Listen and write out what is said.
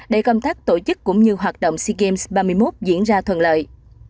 để công tác tổ chức cũng như hoạt động sea games ba mươi một diễn ra thuận lợi